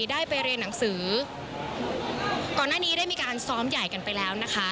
ได้ไปเรียนหนังสือก่อนหน้านี้ได้มีการซ้อมใหญ่กันไปแล้วนะคะ